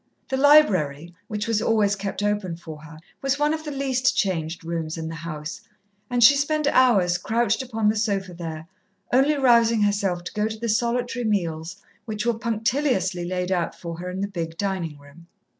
The library, which was always kept open for her, was one of the least changed rooms in the house, and she spent hours crouched upon the sofa there, only rousing herself to go to the solitary meals which were punctiliously laid out for her in the big dining room.